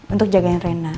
untuk jagain rena